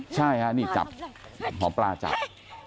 ใช่ฮะนี่จับหมอปลาจับ